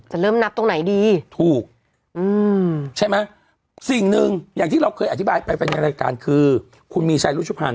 เริ่มนับตรงไหนดีถูกอืมใช่ไหมสิ่งหนึ่งอย่างที่เราเคยอธิบายไปไปในรายการคือคุณมีชัยรุชพันธ์